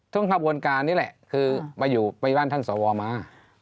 ทุกคนอ่ะท่านขวานรับรู้นี่แหละคือมาอยู่บ้านท่านสวมา